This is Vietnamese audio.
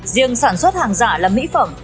riêng sản xuất hàng giả làm mỹ phẩm